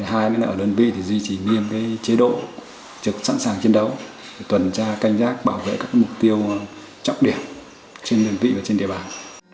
hai ở đơn vị thì duy trì nghiêm chế độ trực sẵn sàng chiến đấu tuần tra canh giác bảo vệ các mục tiêu chóc điểm trên đơn vị và trên địa bàn